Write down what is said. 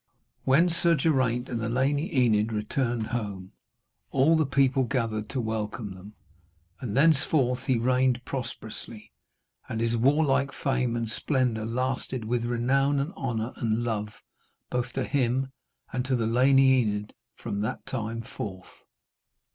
When Sir Geraint and the Lady Enid returned home, all the people gathered to welcome them. And thenceforth he reigned prosperously, and his warlike fame and splendour lasted with renown and honour and love, both to him and to the Lady Enid, from that time forth.